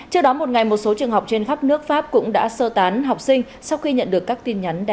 trước đó một ngày một số trường học trên khắp nước pháp cũng đã sơ tán học sinh sau khi nhận được các tin nhắn đe dọa